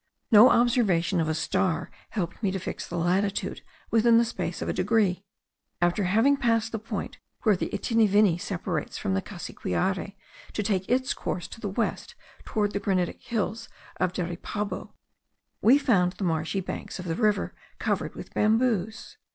No observation of a star helped me to fix the latitude within the space of a degree. After having passed the point where the Itinivini separates from the Cassiquiare, to take its course to the west towards the granitic hills of Daripabo, we found the marshy banks of the river covered with bamboos.